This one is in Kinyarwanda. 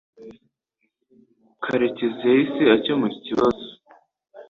Karekezi yahise akemura ikibazo.